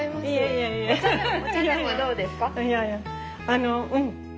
いやいやあのうん。